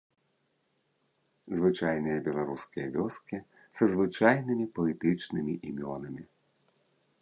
Звычайныя беларускія вёскі са звычайнымі паэтычнымі імёнамі.